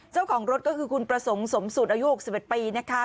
เจ้าของรถก็คือคุณประสงค์สมสูตรอายุ๖๑ปีนะคะ